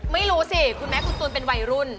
ไม่รู้สิคุณแม่คุณตูนเป็นวัยรุ่น